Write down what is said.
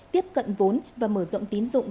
tiếp cận vốn và mở rộng tín dụng